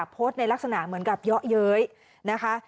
โพสต์ในลักษณะเหมือนกับเยาะเย้ยนะคะ